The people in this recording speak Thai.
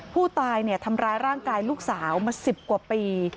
ผู้ตายทำร้ายร่างกายลูกสาวมา๑๐กว่าปี